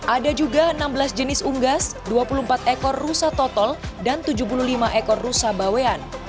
ada juga enam belas jenis unggas dua puluh empat ekor rusa total dan tujuh puluh lima ekor rusa bawean